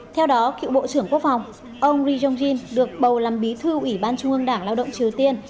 theo đó cựu bộ trưởng quốc phòng ông ri jong jin được bầu làm bí thư ủy ban trung ương đảng lao động triều tiên